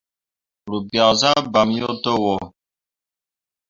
Ru biak zah bamme yo towo.